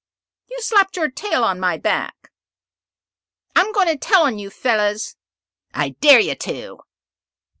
"You slapped your tail on my back!" "I'm going to tell on you fellows!" "I dare you to!"